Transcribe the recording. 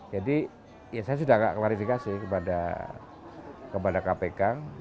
jadi saya sudah klarifikasi kepada kpk